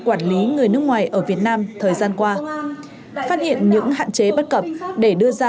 quản lý người nước ngoài ở việt nam thời gian qua phát hiện những hạn chế bất cập để đưa ra